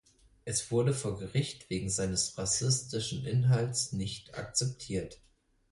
Es wurde vor Gericht wegen seines rassistischen Inhalts nicht akzeptiert.